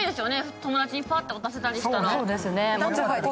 友達にパッて渡せたら。